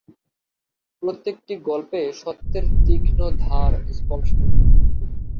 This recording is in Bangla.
প্রত্যেকটি গল্পে সত্যের তীক্ষ্ণ ধার স্পষ্ট।